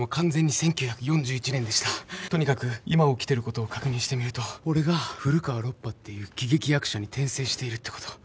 とにかく今起きてることを確認してみると俺が古川ロッパっていう喜劇役者に転生しているってこと。